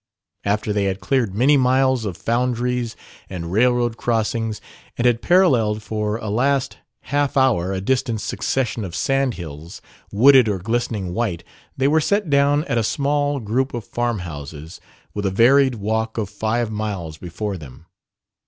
After they had cleared many miles of foundries and railroad crossings, and had paralleled for a last half hour a distant succession of sandhills, wooded or glistening white, they were set down at a small group of farmhouses, with a varied walk of five miles before them.